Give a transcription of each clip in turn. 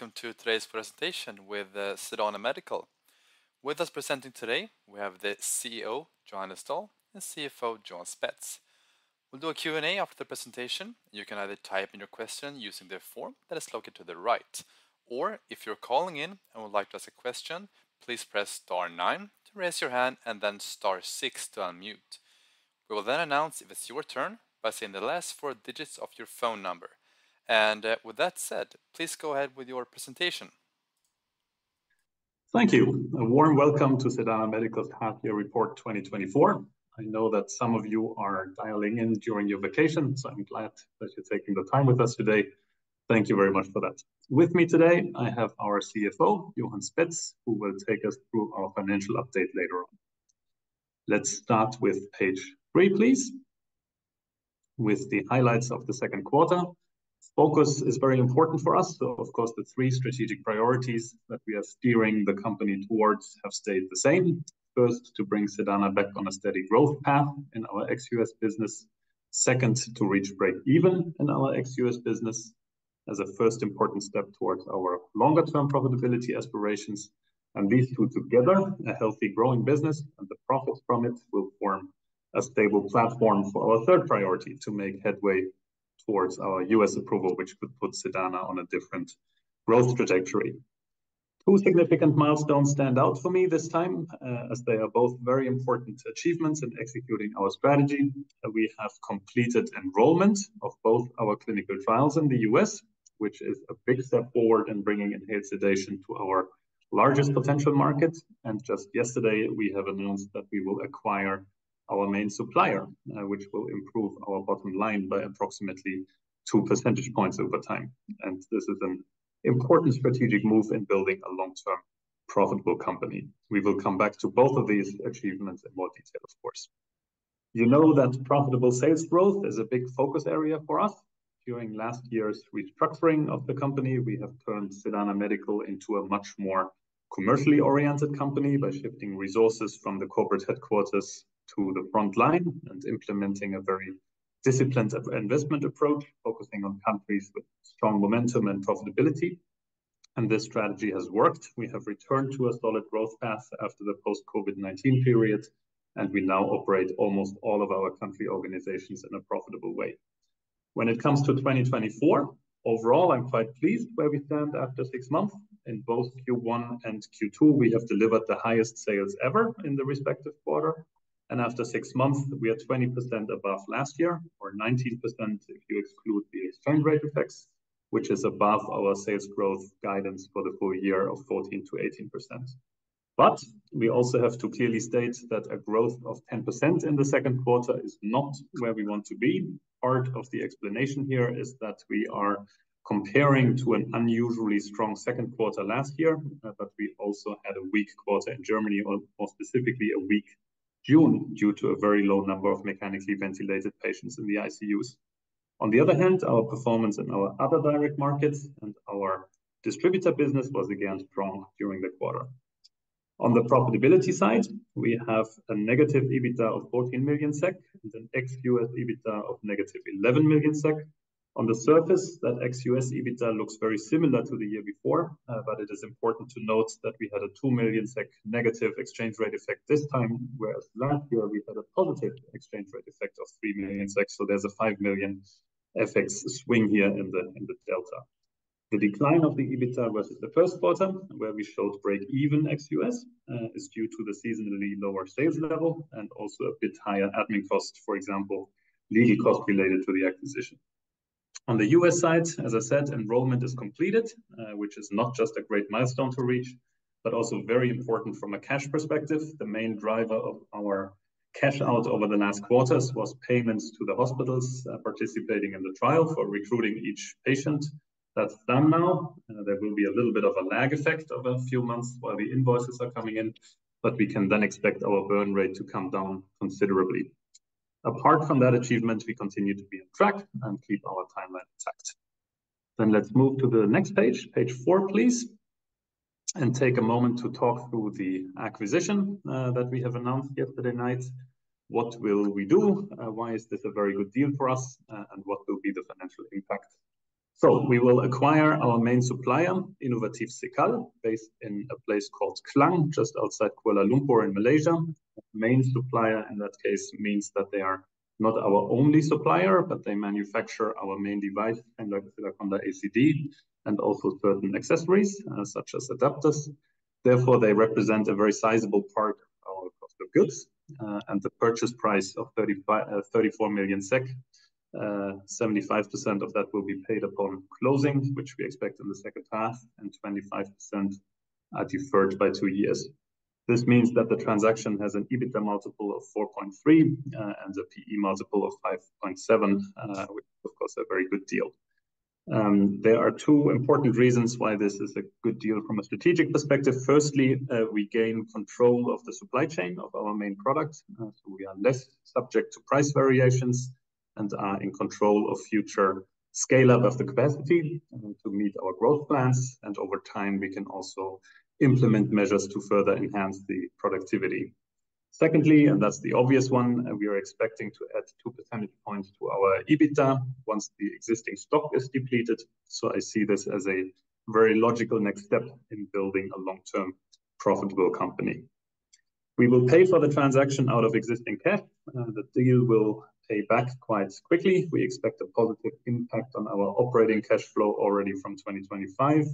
Hello, and welcome to today's presentation with Sedana Medical. With us presenting today, we have the CEO, Johannes Doll, and CFO, Johan Spetz. We'll do a Q&A after the presentation. You can either type in your question using the form that is located to the right, or if you're calling in and would like to ask a question, please press Star 9 to raise your hand and then Star 6 to unmute. We will then announce if it's your turn by saying the last four digits of your phone number. With that said, please go ahead with your presentation. Thank you. A warm welcome to Sedana Medical's Healthcare Report 2024. I know that some of you are dialing in during your vacation, so I'm glad that you're taking the time with us today. Thank you very much for that. With me today, I have our CFO, Johan Spetz, who will take us through our financial update later on. Let's start with page three, please, with the highlights of the second quarter. Focus is very important for us. So, of course, the three strategic priorities that we are steering the company towards have stayed the same. First, to bring Sedana back on a steady growth path in our ex-US business. Second, to reach break-even in our ex-US business as a first important step towards our longer-term profitability aspirations. These two together, a healthy growing business and the profits from it, will form a stable platform for our third priority to make headway towards our U.S. approval, which could put Sedana on a different growth trajectory. Two significant milestones stand out for me this time, as they are both very important achievements in executing our strategy. We have completed enrollment of both our clinical trials in the U.S., which is a big step forward in bringing inhaled sedation to our largest potential market. Just yesterday, we have announced that we will acquire our main supplier, which will improve our bottom line by approximately two percentage points over time. This is an important strategic move in building a long-term profitable company. We will come back to both of these achievements in more detail, of course. You know that profitable sales growth is a big focus area for us. During last year's restructuring of the company, we have turned Sedana Medical into a much more commercially oriented company by shifting resources from the corporate headquarters to the front line and implementing a very disciplined investment approach, focusing on countries with strong momentum and profitability. This strategy has worked. We have returned to a solid growth path after the post-COVID-19 period, and we now operate almost all of our country organizations in a profitable way. When it comes to 2024, overall, I'm quite pleased where we stand after 6 months. In both Q1 and Q2, we have delivered the highest sales ever in the respective quarter. After six months, we are 20% above last year, or 19% if you exclude the exchange rate effects, which is above our sales growth guidance for the full year of 14%-18%. But we also have to clearly state that a growth of 10% in the second quarter is not where we want to be. Part of the explanation here is that we are comparing to an unusually strong second quarter last year, but we also had a weak quarter in Germany, or more specifically a weak June, due to a very low number of mechanically ventilated patients in the ICUs. On the other hand, our performance in our other direct markets and our distributor business was again strong during the quarter. On the profitability side, we have a negative EBITDA of 14 million SEK and an ex-US EBITDA of negative 11 million SEK. On the surface, that ex-US EBITDA looks very similar to the year before, but it is important to note that we had a 2 million SEK negative exchange rate effect this time, whereas last year we had a positive exchange rate effect of 3 million SEK. So there's a 5 million FX swing here in the delta. The decline of the EBITDA versus the first quarter, where we showed break-even ex-US, is due to the seasonally lower sales level and also a bit higher admin cost, for example, legal cost related to the acquisition. On the US side, as I said, enrollment is completed, which is not just a great milestone to reach, but also very important from a cash perspective. The main driver of our cash out over the last quarters was payments to the hospitals participating in the trial for recruiting each patient. That's done now. There will be a little bit of a lag effect of a few months while the invoices are coming in, but we can then expect our burn rate to come down considerably. Apart from that achievement, we continue to be on track and keep our timeline intact. Then let's move to the next page, page four, please, and take a moment to talk through the acquisition that we have announced yesterday night. What will we do? Why is this a very good deal for us? And what will be the financial impact? So we will acquire our main supplier, Innovatif Cekal, based in a place called Klang, just outside Kuala Lumpur in Malaysia. Main supplier in that case means that they are not our only supplier, but they manufacture our main device, Sedaconda ACD, and also certain accessories such as adapters. Therefore, they represent a very sizable part of our cost of goods. The purchase price of 34 million SEK, 75% of that will be paid upon closing, which we expect in the second half, and 25% deferred by two years. This means that the transaction has an EBITDA multiple of 4.3 and a PE multiple of 5.7, which is, of course, a very good deal. There are two important reasons why this is a good deal from a strategic perspective. Firstly, we gain control of the supply chain of our main product, so we are less subject to price variations and are in control of future scale-up of the capacity to meet our growth plans. Over time, we can also implement measures to further enhance the productivity. Secondly, and that's the obvious one, we are expecting to add 2 percentage points to our EBITDA once the existing stock is depleted. So I see this as a very logical next step in building a long-term profitable company. We will pay for the transaction out of existing cash. The deal will pay back quite quickly. We expect a positive impact on our operating cash flow already from 2025,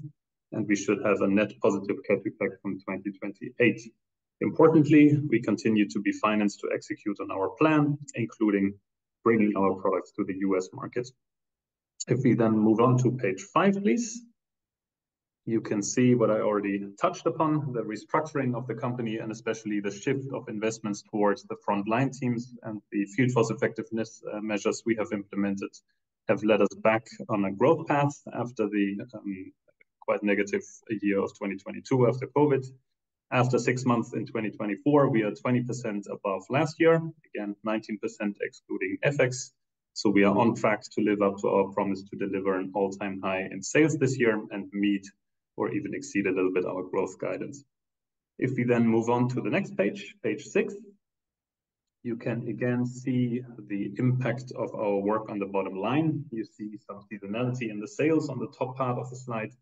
and we should have a net positive cash effect from 2028. Importantly, we continue to be financed to execute on our plan, including bringing our products to the U.S. market. If we then move on to page 5, please, you can see what I already touched upon, the restructuring of the company and especially the shift of investments towards the frontline teams and the field force effectiveness measures we have implemented have led us back on a growth path after the quite negative year of 2022 after COVID. After six months in 2024, we are 20% above last year, again, 19% excluding FX. So we are on track to live up to our promise to deliver an all-time high in sales this year and meet or even exceed a little bit our growth guidance. If we then move on to the next page, page 6, you can again see the impact of our work on the bottom line. You see some seasonality in the sales on the top part of the slide,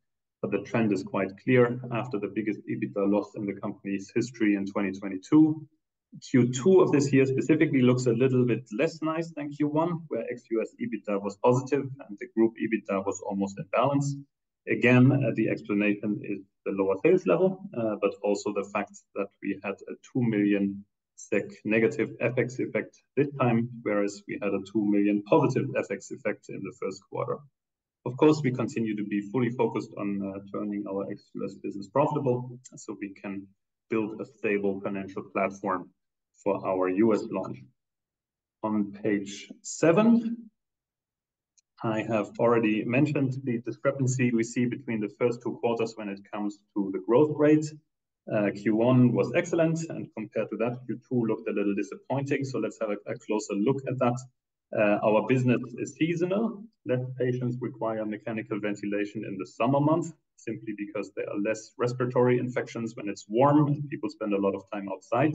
but the trend is quite clear after the biggest EBITDA loss in the company's history in 2022. Q2 of this year specifically looks a little bit less nice than Q1, where ex-US EBITDA was positive and the group EBITDA was almost in balance. Again, the explanation is the lower sales level, but also the fact that we had a 2 million SEK negative FX effect this time, whereas we had a 2 million positive FX effect in the first quarter. Of course, we continue to be fully focused on turning our ex-US business profitable so we can build a stable financial platform for our US launch. On page seven, I have already mentioned the discrepancy we see between the first two quarters when it comes to the growth rate. Q1 was excellent, and compared to that, Q2 looked a little disappointing. So let's have a closer look at that. Our business is seasonal. Less patients require mechanical ventilation in the summer months simply because there are less respiratory infections when it's warm and people spend a lot of time outside.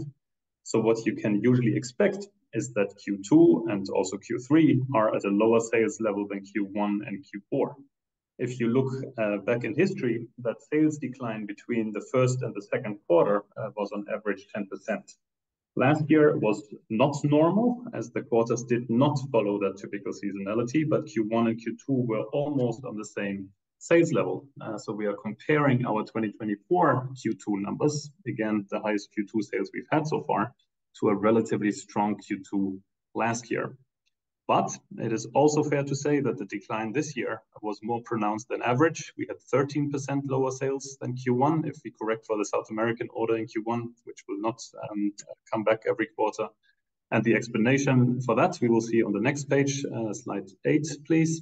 So what you can usually expect is that Q2 and also Q3 are at a lower sales level than Q1 and Q4. If you look back in history, that sales decline between the first and the second quarter was on average 10%. Last year was not normal as the quarters did not follow that typical seasonality, but Q1 and Q2 were almost on the same sales level. So we are comparing our 2024 Q2 numbers, again, the highest Q2 sales we've had so far, to a relatively strong Q2 last year. It is also fair to say that the decline this year was more pronounced than average. We had 13% lower sales than Q1 if we correct for the South American order in Q1, which will not come back every quarter. The explanation for that we will see on the next page, slide 8, please.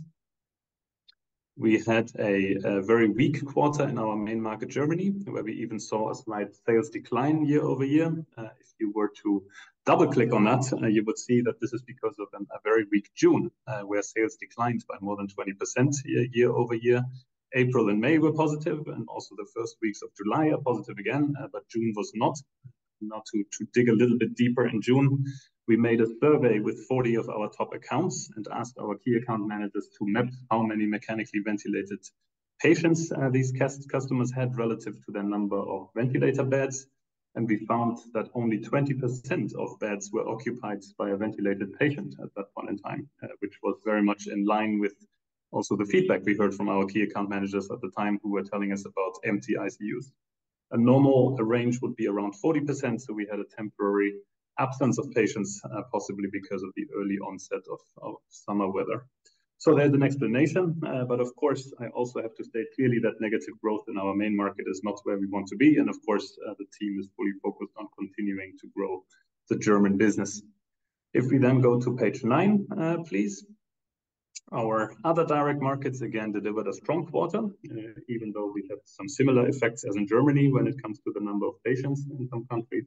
We had a very weak quarter in our main market, Germany, where we even saw a slight sales decline year-over-year. If you were to double-click on that, you would see that this is because of a very weak June, where sales declined by more than 20% year-over-year. April and May were positive, and also the first weeks of July are positive again, but June was not. Now, to dig a little bit deeper in June, we made a survey with 40 of our top accounts and asked our key account managers to map how many mechanically ventilated patients these customers had relative to their number of ventilator beds. We found that only 20% of beds were occupied by a ventilated patient at that point in time, which was very much in line with also the feedback we heard from our key account managers at the time who were telling us about empty ICUs. A normal range would be around 40%, so we had a temporary absence of patients, possibly because of the early onset of summer weather. There's an explanation, but of course, I also have to state clearly that negative growth in our main market is not where we want to be. Of course, the team is fully focused on continuing to grow the German business. If we then go to page nine, please, our other direct markets again delivered a strong quarter, even though we had some similar effects as in Germany when it comes to the number of patients in some countries.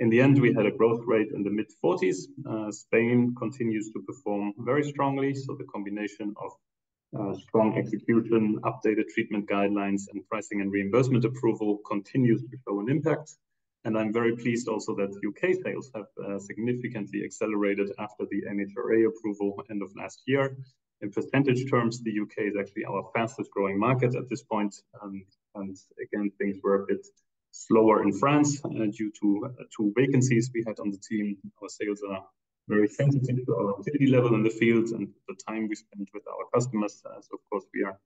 In the end, we had a growth rate in the mid-40s. Spain continues to perform very strongly. The combination of strong execution, updated treatment guidelines, and pricing and reimbursement approval continues to show an impact. I'm very pleased also that UK sales have significantly accelerated after the MHRA approval end of last year. In percentage terms, the UK is actually our fastest growing market at this point. Things were a bit slower in France due to two vacancies we had on the team. Our sales are very sensitive to our activity level in the field and the time we spend with our customers. So of course, we are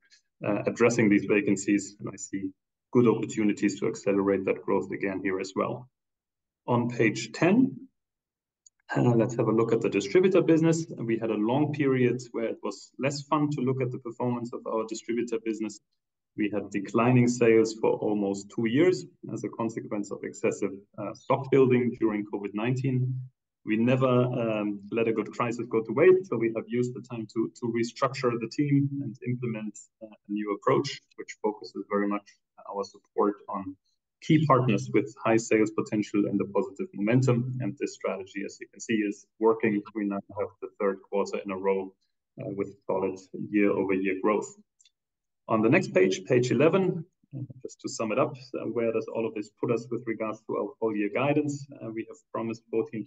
addressing these vacancies, and I see good opportunities to accelerate that growth again here as well. On page 10, let's have a look at the distributor business. We had a long period where it was less fun to look at the performance of our distributor business. We had declining sales for almost two years as a consequence of excessive stock building during COVID-19. We never let a good crisis go to waste, so we have used the time to restructure the team and implement a new approach, which focuses very much our support on key partners with high sales potential and the positive momentum. This strategy, as you can see, is working. We now have the third quarter in a row with solid year-over-year growth. On the next page, page 11, just to sum it up, where does all of this put us with regards to our full-year guidance? We have promised 14%-18%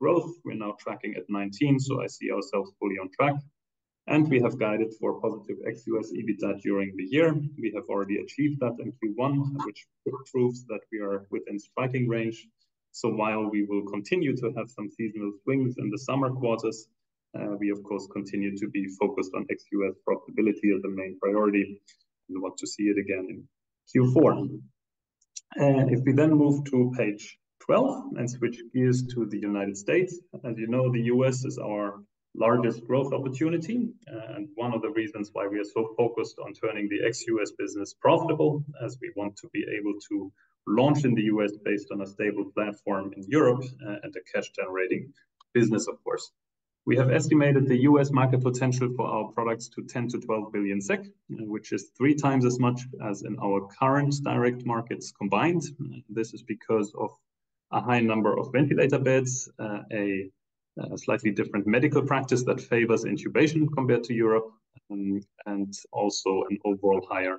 growth. We're now tracking at 19%, so I see ourselves fully on track. We have guided for positive ex-US EBITDA during the year. We have already achieved that in Q1, which proves that we are within striking range. While we will continue to have some seasonal swings in the summer quarters, we, of course, continue to be focused on ex-US profitability as the main priority and want to see it again in Q4. If we then move to page 12 and switch gears to the United States, as you know, the US is our largest growth opportunity. One of the reasons why we are so focused on turning the ex-U.S. business profitable is we want to be able to launch in the U.S. based on a stable platform in Europe and a cash-generating business, of course. We have estimated the U.S. market potential for our products to 10 billion-12 billion SEK, which is three times as much as in our current direct markets combined. This is because of a high number of ventilator beds, a slightly different medical practice that favors intubation compared to Europe, and also an overall higher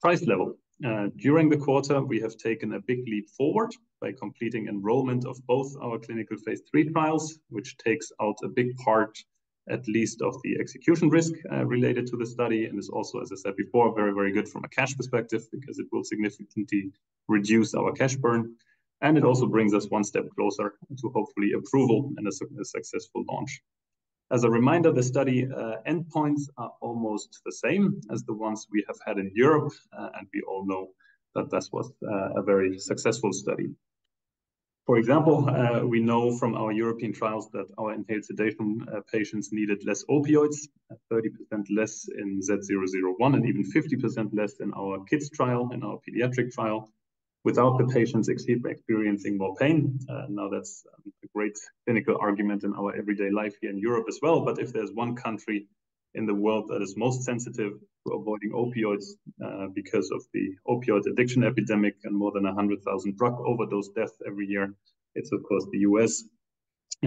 price level. During the quarter, we have taken a big leap forward by completing enrollment of both our clinical phase 3 trials, which takes out a big part, at least, of the execution risk related to the study. It's also, as I said before, very, very good from a cash perspective because it will significantly reduce our cash burn. It also brings us one step closer to hopefully approval and a successful launch. As a reminder, the study endpoints are almost the same as the ones we have had in Europe, and we all know that this was a very successful study. For example, we know from our European trials that our inhaled sedation patients needed less opioids, 30% less in SED001, and even 50% less in our kids trial, in our pediatric trial, without the patients experiencing more pain. Now, that's a great clinical argument in our everyday life here in Europe as well. If there's one country in the world that is most sensitive to avoiding opioids because of the opioid addiction epidemic and more than 100,000 drug overdose deaths every year, it's, of course, the U.S.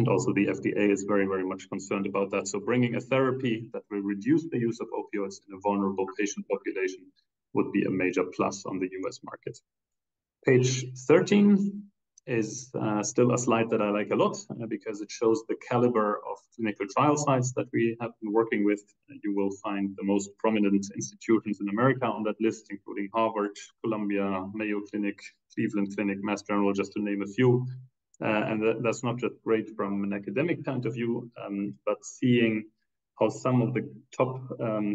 Also the FDA is very, very much concerned about that. So bringing a therapy that will reduce the use of opioids in a vulnerable patient population would be a major plus on the U.S. market. Page 13 is still a slide that I like a lot because it shows the caliber of clinical trial sites that we have been working with. You will find the most prominent institutions in America on that list, including Harvard, Columbia, Mayo Clinic, Cleveland Clinic, Mass General, just to name a few. That's not just great from an academic point of view, but seeing how some of the top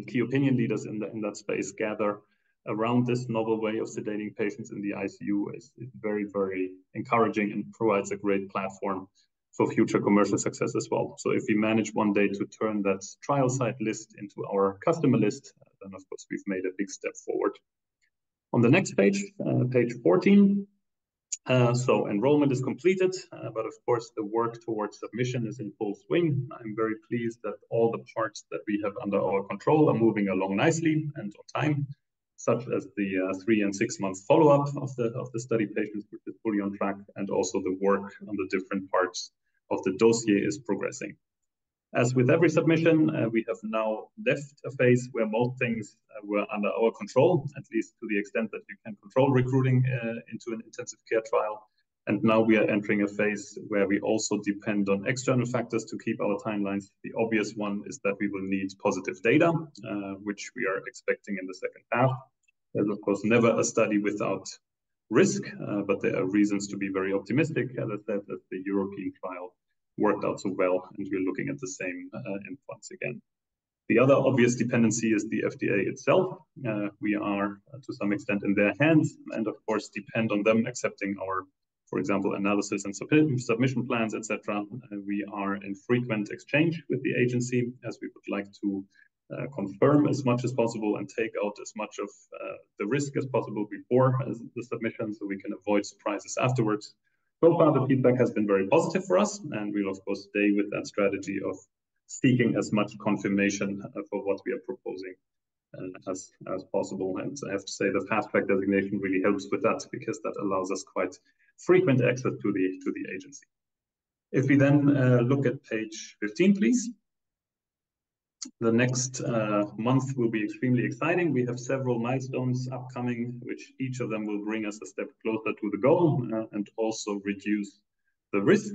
key opinion leaders in that space gather around this novel way of sedating patients in the ICU is very, very encouraging and provides a great platform for future commercial success as well. So if we manage one day to turn that trial site list into our customer list, then, of course, we've made a big step forward. On the next page, page 14, so enrollment is completed, but of course, the work towards submission is in full swing. I'm very pleased that all the parts that we have under our control are moving along nicely and on time, such as the three- and six-month follow-up of the study patients, which is fully on track, and also the work on the different parts of the dossier is progressing. As with every submission, we have now left a phase where most things were under our control, at least to the extent that you can control recruiting into an intensive care trial. Now we are entering a phase where we also depend on external factors to keep our timelines. The obvious one is that we will need positive data, which we are expecting in the second half. There's, of course, never a study without risk, but there are reasons to be very optimistic, as I said, as the European trial worked out so well, and we're looking at the same endpoints again. The other obvious dependency is the FDA itself. We are, to some extent, in their hands and, of course, depend on them accepting our, for example, analysis and submission plans, etc. We are in frequent exchange with the agency, as we would like to confirm as much as possible and take out as much of the risk as possible before the submission so we can avoid surprises afterwards. So far, the feedback has been very positive for us, and we'll, of course, stay with that strategy of seeking as much confirmation for what we are proposing as possible. And I have to say the Fast Track designation really helps with that because that allows us quite frequent access to the agency. If we then look at page 15, please. The next month will be extremely exciting. We have several milestones upcoming, which each of them will bring us a step closer to the goal and also reduce the risk.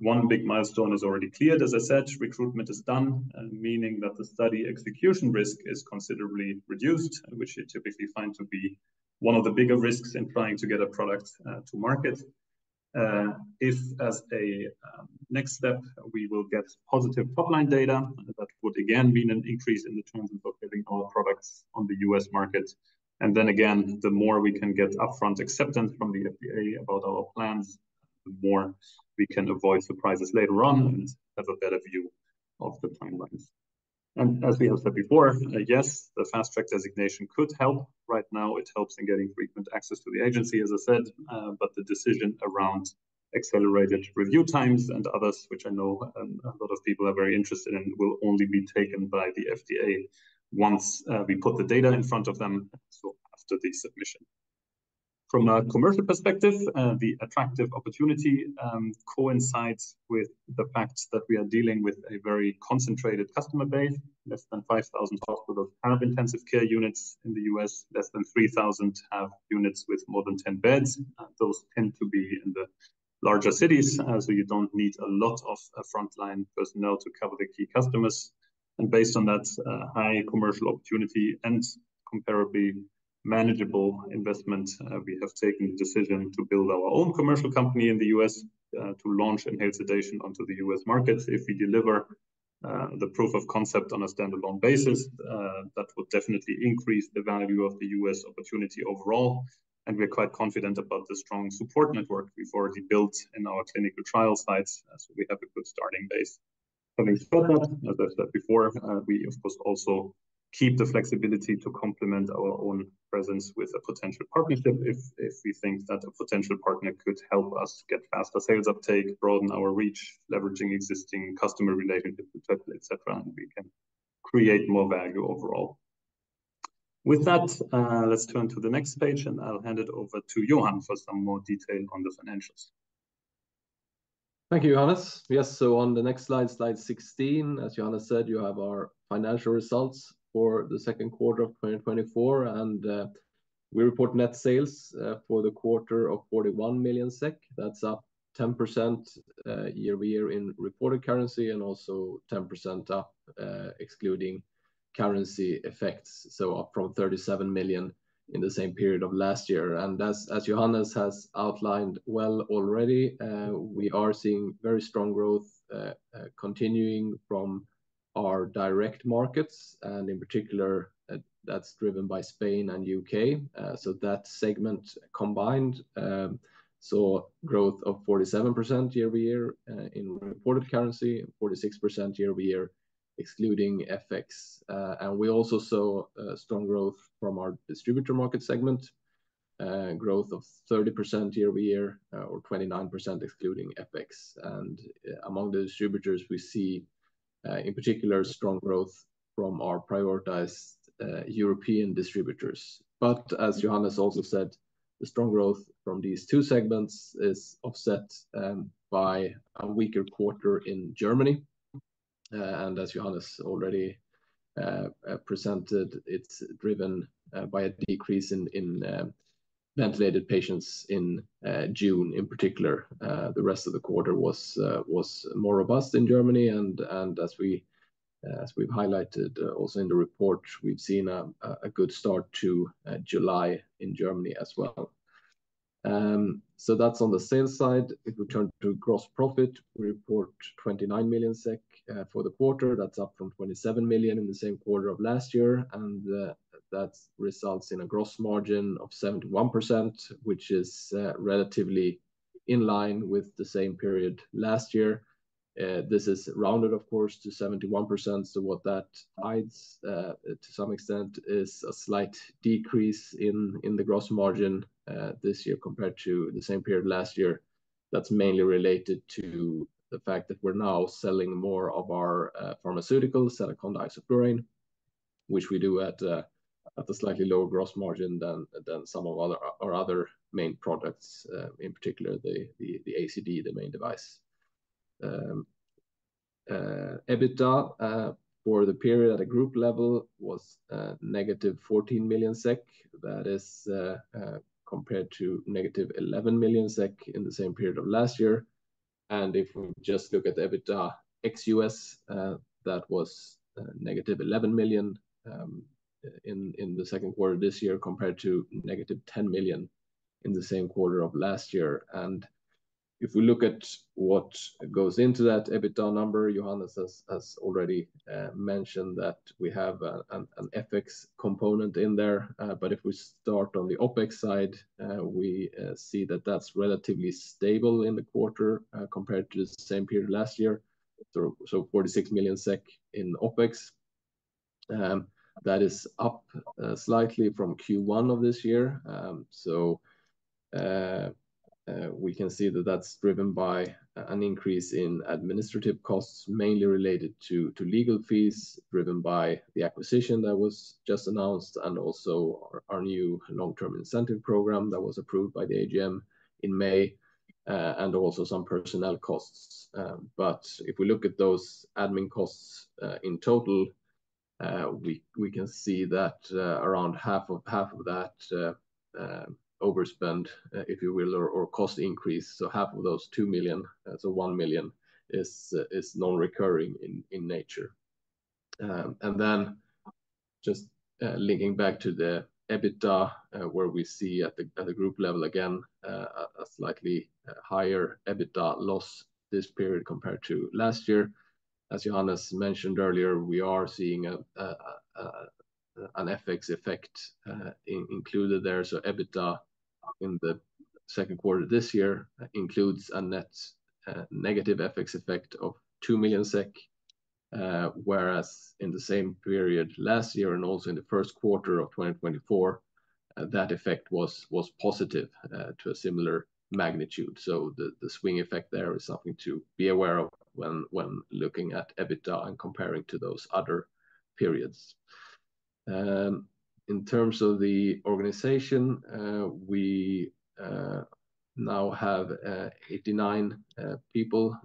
One big milestone is already cleared, as I said. Recruitment is done, meaning that the study execution risk is considerably reduced, which you typically find to be one of the bigger risks in trying to get a product to market. If, as a next step, we will get positive top-line data, that would again mean an increase in the chances of getting our products on the US market. And then again, the more we can get upfront acceptance from the FDA about our plans, the more we can avoid surprises later on and have a better view of the timelines. And as we have said before, yes, the Fast Track designation could help. Right now, it helps in getting frequent access to the agency, as I said, but the decision around accelerated review times and others, which I know a lot of people are very interested in, will only be taken by the FDA once we put the data in front of them, so after the submission. From a commercial perspective, the attractive opportunity coincides with the fact that we are dealing with a very concentrated customer base. Less than 5,000 hospitals have intensive care units in the U.S. Less than 3,000 have units with more than 10 beds. Those tend to be in the larger cities, so you don't need a lot of frontline personnel to cover the key customers. Based on that high commercial opportunity and comparably manageable investment, we have taken the decision to build our own commercial company in the U.S. to launch inhaled sedation onto the U.S. market. If we deliver the proof of concept on a standalone basis, that would definitely increase the value of the U.S. opportunity overall. And we're quite confident about the strong support network we've already built in our clinical trial sites, so we have a good starting base. Having said that, as I've said before, we, of course, also keep the flexibility to complement our own presence with a potential partnership if we think that a potential partner could help us get faster sales uptake, broaden our reach, leveraging existing customer relationships, etc., and we can create more value overall. With that, let's turn to the next page, and I'll hand it over to Johan for some more detail on the financials. Thank you, Johannes. Yes, so on the next slide, slide 16, as Johannes said, you have our financial results for the second quarter of 2024, and we report net sales for the quarter of 41 million SEK. That's up 10% year-over-year in reported currency and also 10% up excluding currency effects, so up from 37 million in the same period of last year. As Johannes has outlined well already, we are seeing very strong growth continuing from our direct markets, and in particular, that's driven by Spain and the U.K. So that segment combined saw growth of 47% year-over-year in reported currency, 46% year-over-year excluding FX. And we also saw strong growth from our distributor market segment, growth of 30% year-over-year or 29% excluding FX. Among the distributors, we see in particular strong growth from our prioritized European distributors. As Johannes also said, the strong growth from these two segments is offset by a weaker quarter in Germany. As Johannes already presented, it's driven by a decrease in ventilated patients in June. In particular, the rest of the quarter was more robust in Germany. As we've highlighted also in the report, we've seen a good start to July in Germany as well. That's on the sales side. If we turn to gross profit, we report 29 million SEK for the quarter. That's up from 27 million in the same quarter of last year. And that results in a gross margin of 71%, which is relatively in line with the same period last year. This is rounded, of course, to 71%. So what that hides to some extent is a slight decrease in the gross margin this year compared to the same period last year. That's mainly related to the fact that we're now selling more of our pharmaceuticals, isoflurane, which we do at a slightly lower gross margin than some of our other main products, in particular the ACD, the main device. EBITDA for the period at a group level was negative 14 million SEK. That is compared to negative 11 million SEK in the same period of last year. And if we just look at EBITDA ex US, that was negative 11 million in the second quarter this year compared to negative 10 million in the same quarter of last year. And if we look at what goes into that EBITDA number, Johannes has already mentioned that we have an FX component in there. If we start on the OPEX side, we see that that's relatively stable in the quarter compared to the same period last year. 46 million SEK in OPEX. That is up slightly from Q1 of this year. We can see that that's driven by an increase in administrative costs, mainly related to legal fees, driven by the acquisition that was just announced, and also our new long-term incentive program that was approved by the AGM in May, and also some personnel costs. But if we look at those admin costs in total, we can see that around half of that overspend, if you will, or cost increase, so half of those 2 million, so 1 million, is non-recurring in nature. Then just linking back to the EBITDA, where we see at the group level again a slightly higher EBITDA loss this period compared to last year. As Johannes mentioned earlier, we are seeing an FX effect included there. So EBITDA in the second quarter this year includes a net negative FX effect of 2 million SEK, whereas in the same period last year and also in the first quarter of 2024, that effect was positive to a similar magnitude. So the swing effect there is something to be aware of when looking at EBITDA and comparing to those other periods. In terms of the organization, we now have 89 people,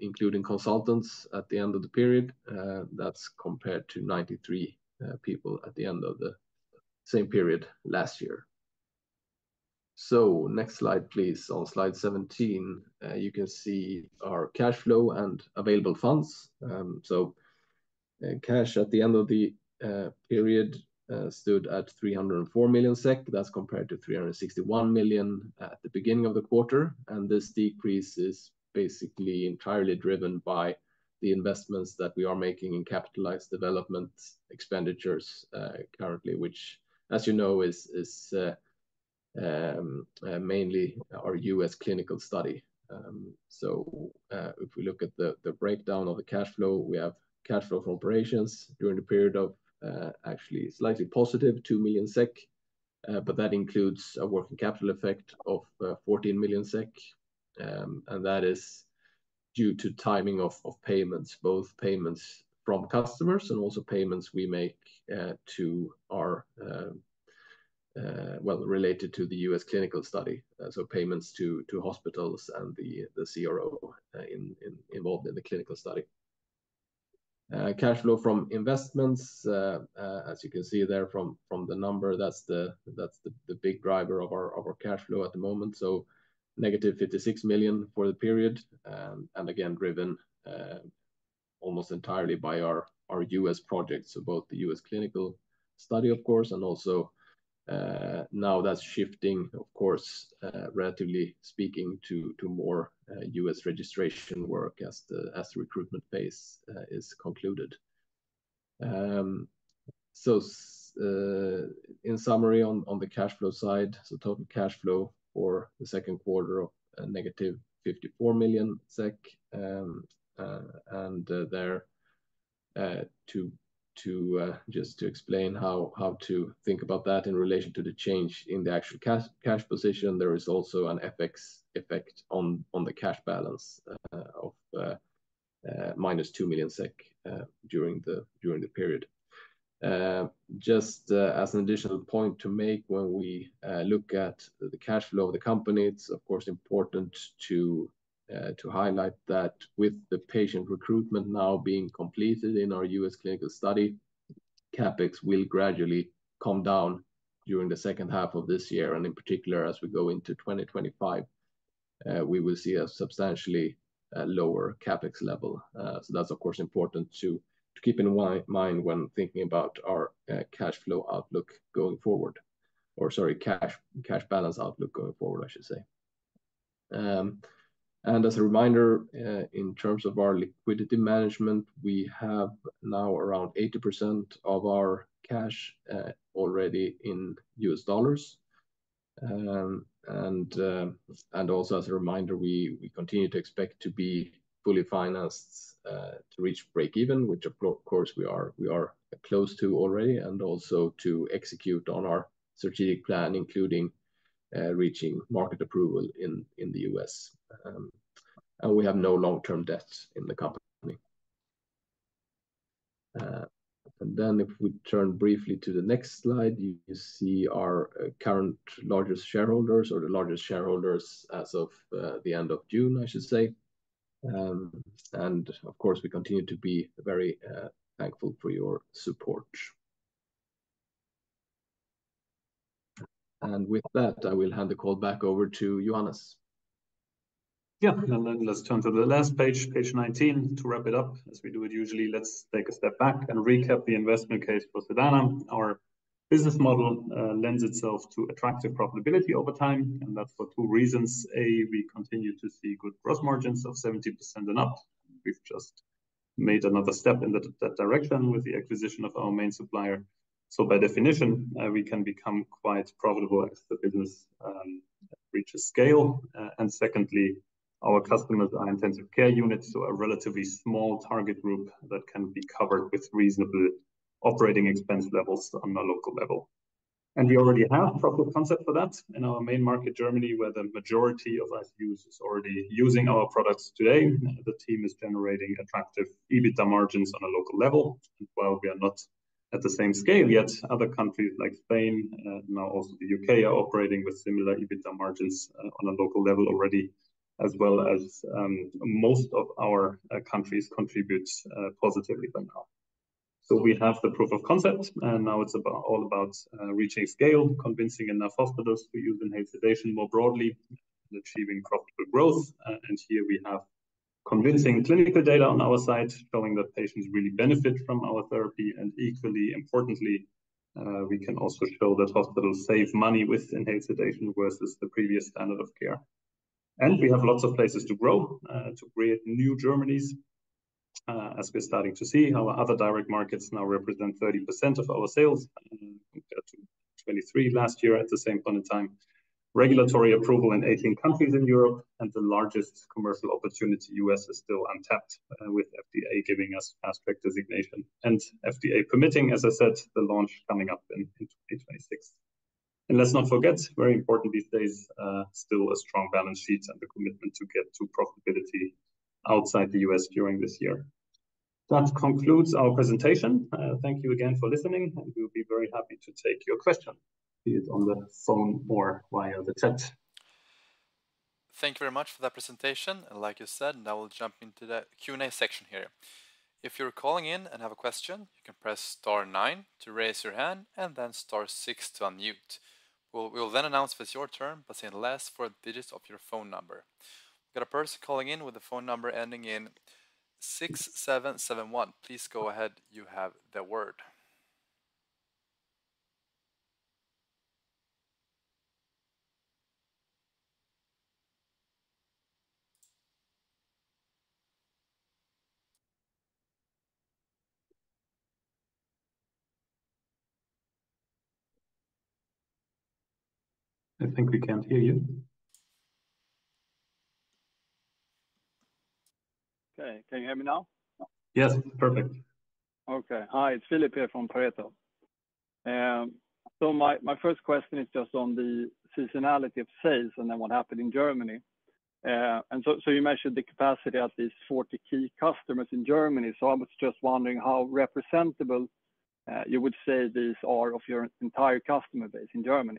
including consultants, at the end of the period. That's compared to 93 people at the end of the same period last year. So next slide, please. On slide 17, you can see our cash flow and available funds. So cash at the end of the period stood at 304 million SEK. That's compared to 361 million at the beginning of the quarter. This decrease is basically entirely driven by the investments that we are making in capitalized development expenditures currently, which, as you know, is mainly our U.S. clinical study. So if we look at the breakdown of the cash flow, we have cash flow for operations during the period of actually slightly positive 2 million SEK, but that includes a working capital effect of 14 million SEK. And that is due to timing of payments, both payments from customers and also payments we make to our, well, related to the U.S. clinical study. So payments to hospitals and the CRO involved in the clinical study. Cash flow from investments, as you can see there from the number, that's the big driver of our cash flow at the moment. So negative 56 million for the period, and again, driven almost entirely by our U.S. projects. So both the U.S. clinical study, of course, and also now that's shifting, of course, relatively speaking, to more U.S. registration work as the recruitment phase is concluded. So in summary, on the cash flow side, total cash flow for the second quarter of -54 million SEK. And there, just to explain how to think about that in relation to the change in the actual cash position, there is also an FX effect on the cash balance of -2 million SEK during the period. Just as an additional point to make, when we look at the cash flow of the company, it's, of course, important to highlight that with the patient recruitment now being completed in our U.S. clinical study, CapEx will gradually come down during the second half of this year. And in particular, as we go into 2025, we will see a substantially lower CapEx level. So that's, of course, important to keep in mind when thinking about our cash flow outlook going forward, or sorry, cash balance outlook going forward, I should say. And as a reminder, in terms of our liquidity management, we have now around 80% of our cash already in U.S. dollars. And also, as a reminder, we continue to expect to be fully financed to reach breakeven, which, of course, we are close to already, and also to execute on our strategic plan, including reaching market approval in the U.S. And we have no long-term debts in the company. And then if we turn briefly to the next slide, you see our current largest shareholders or the largest shareholders as of the end of June, I should say. Of course, we continue to be very thankful for your support. And with that, I will hand the call back over to Johannes. Yeah, and then let's turn to the last page, page 19, to wrap it up. As we do it usually, let's take a step back and recap the investment case for Sedana. Our business model lends itself to attractive profitability over time, and that's for two reasons. A, we continue to see good gross margins of 70% and up. We've just made another step in that direction with the acquisition of our main supplier. So by definition, we can become quite profitable as the business reaches scale. And secondly, our customers are intensive care units, so a relatively small target group that can be covered with reasonable operating expense levels on a local level. We already have a proper concept for that in our main market, Germany, where the majority of ICU users are already using our products today. The team is generating attractive EBITDA margins on a local level. While we are not at the same scale yet, other countries like Spain, now also the UK, are operating with similar EBITDA margins on a local level already, as well as most of our countries contribute positively by now. We have the proof of concept, and now it's all about reaching scale, convincing enough hospitals to use inhaled sedation more broadly, achieving profitable growth. Here we have convincing clinical data on our side showing that patients really benefit from our therapy. Equally importantly, we can also show that hospitals save money with inhaled sedation versus the previous standard of care. We have lots of places to grow to create new Germanies. As we're starting to see, our other direct markets now represent 30% of our sales compared to 23% last year at the same point in time. Regulatory approval in 18 countries in Europe, and the largest commercial opportunity U.S. is still untapped with FDA giving us Fast Track designation and FDA permitting, as I said, the launch coming up in 2026. Let's not forget, very important these days, still a strong balance sheet and the commitment to get to profitability outside the U.S. during this year. That concludes our presentation. Thank you again for listening, and we'll be very happy to take your question, be it on the phone or via the chat. Thank you very much for that presentation. Like you said, now we'll jump into the Q&A section here. If you're calling in and have a question, you can press star nine to raise your hand and then star six to unmute. We'll then announce it's your turn, but say the last four digits of your phone number. We've got a person calling in with the phone number ending in 6771. Please go ahead. You have the word. I think we can't hear you. Okay, can you hear me now? Yes, perfect. Okay, hi, it's Philip here from Pareto. So my first question is just on the seasonality of sales and then what happened in Germany. And so you mentioned the capacity at least 40 key customers in Germany. So I was just wondering how representative you would say these are of your entire customer base in Germany.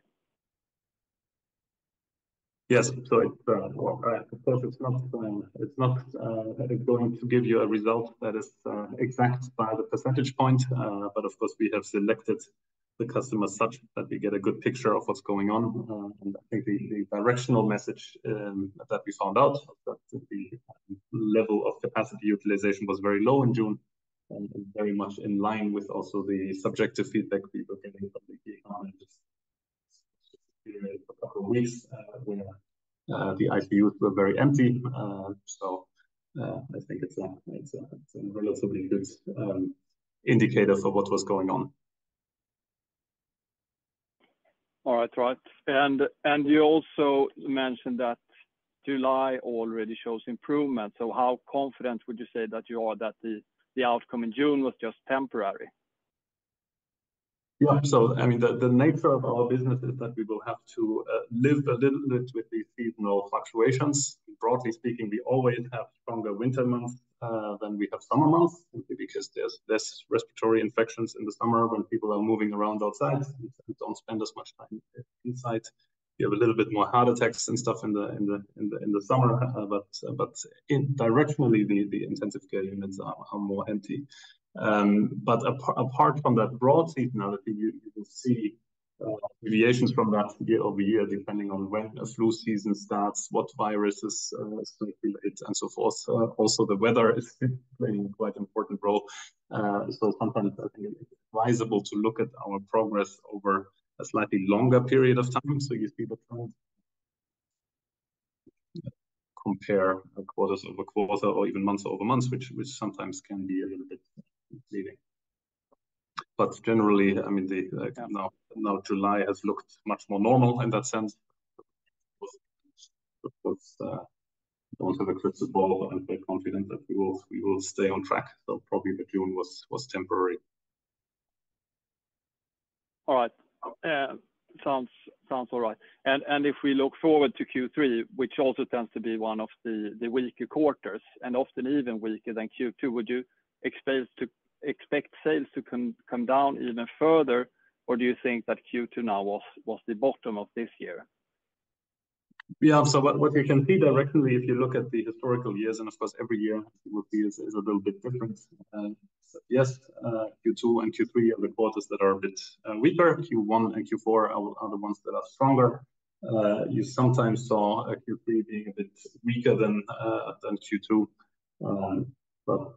Yes, absolutely. Of course, it's not going to give you a result that is exact by the percentage point. Of course, we have selected the customers such that we get a good picture of what's going on. I think the directional message that we found out that the level of capacity utilization was very low in June and very much in line with also the subjective feedback we were getting from the economists for a couple of weeks where the ICUs were very empty. I think it's a relatively good indicator for what was going on. All right, right. You also mentioned that July already shows improvement. How confident would you say that you are that the outcome in June was just temporary? Yeah, so I mean, the nature of our business is that we will have to live a little bit with these seasonal fluctuations. Broadly speaking, we always have stronger winter months than we have summer months because there's less respiratory infections in the summer when people are moving around outside. You don't spend as much time inside. You have a little bit more heart attacks and stuff in the summer. But directionally, the intensive care units are more empty. But apart from that broad seasonality, you will see deviations from that year-over-year depending on when a flu season starts, what viruses circulate, and so forth. Also, the weather is playing quite an important role. So sometimes I think it's advisable to look at our progress over a slightly longer period of time. So you see the trend. Compare quarters quarter-over-quarter or even months month-over-month, which sometimes can be a little bit misleading. But generally, I mean, now July has looked much more normal in that sense. Of course, I don't have a crystal ball and I'm quite confident that we will stay on track. So probably the June was temporary. All right. Sounds all right. And if we look forward to Q3, which also tends to be one of the weaker quarters and often even weaker than Q2, would you expect sales to come down even further, or do you think that Q2 now was the bottom of this year? Yeah, so what you can see directly if you look at the historical years, and of course, every year would be a little bit different. Yes, Q2 and Q3 are the quarters that are a bit weaker. Q1 and Q4 are the ones that are stronger. You sometimes saw Q3 being a bit weaker than Q2. But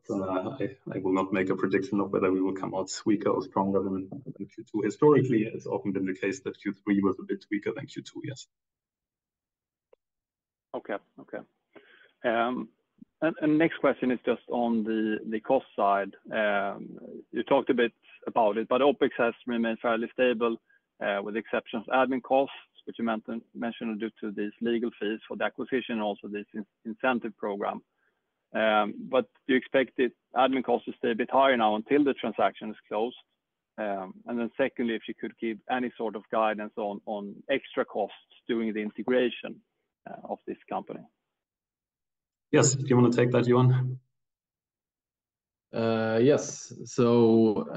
I will not make a prediction of whether we will come out weaker or stronger than Q2. Historically, it's often been the case that Q3 was a bit weaker than Q2, yes. Okay, okay. And next question is just on the cost side. You talked a bit about it, but OPEX has remained fairly stable with the exception of admin costs, which you mentioned due to these legal fees for the acquisition and also this incentive program. But do you expect the admin costs to stay a bit higher now until the transaction is closed? And then secondly, if you could give any sort of guidance on extra costs during the integration of this company. Yes, do you want to take that, Johan? Yes. So